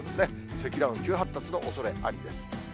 積乱雲、急発達のおそれありです。